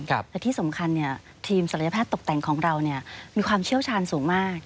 และที่สำคัญทีมศัลยแพทย์ตกแต่งของเรามีความเชี่ยวชาญสูงมาก